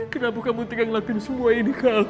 kenapa kamu tinggal ngelakuin semua ini kak